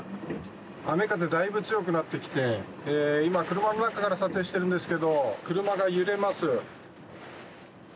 雨風だいぶ強くなってきて今、車の中から撮影しているんですけど車が揺れます。